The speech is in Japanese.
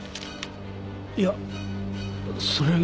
いやそれが。